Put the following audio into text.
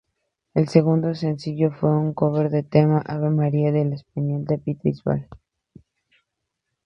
El segundo sencillo fue un cover del tema "Ave María" del español David Bisbal.